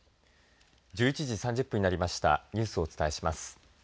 １１時３０分になりましたニュースをお伝えします。